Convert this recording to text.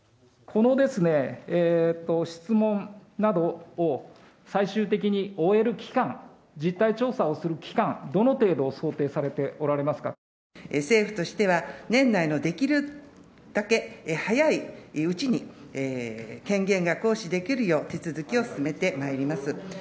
この質問などを、最終的に終えるきかん、実態調査をするきかん、どの程度を想定されておられますか。政府としては年内のできるだけ早いうちに、権限が行使できるよう、手続きを進めてまいります。